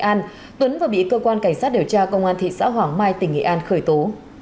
an tuấn vừa bị cơ quan cảnh sát điều tra công an thị xã hoàng mai tỉnh nghệ an khởi tố